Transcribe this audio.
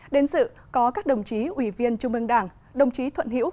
đến dự có các đồng chí ủy viên trung mương đảng đồng chí thuận hiễu